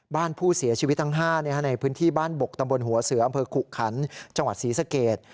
บ้านผู้เสียชีวิตทั้ง๕ในพื้นที่บ้านบกตำบลหัวเสืออำเภอขุขันจังหวัดศรีสเกต